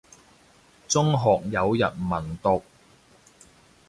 中學有日文讀